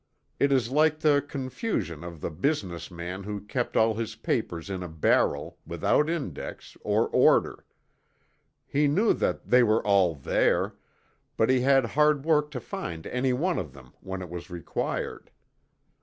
It is like the confusion of the business man who kept all of his papers in a barrel, without index, or order. He knew that "they are all there" but he had hard work to find any one of them when it was required.